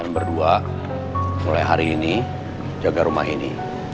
berdua mulai hari ini jaga rumah ini